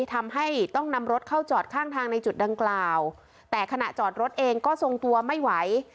ทำให้ต้องนำรถเข้าจอดข้างทางในจุดดังกล่าวแต่ขณะจอดรถเองก็ทรงตัวไม่ไหว